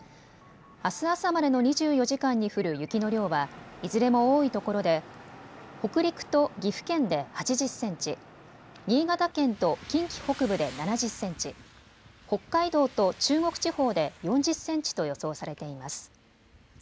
あす朝までの２４時間に降る雪の量はいずれも多いところで北陸と岐阜県で８０センチ、新潟県と近畿北部で７０センチ、北海道と中国地方で４０センチと予想されています。